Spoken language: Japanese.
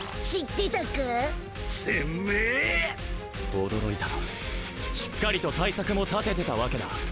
てめえ驚いたなしっかりと対策も立ててたワケだ？